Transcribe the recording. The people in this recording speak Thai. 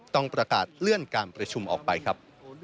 ต้องประกาศเลื่อนการประชุมออกไปครับ